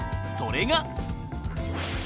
それが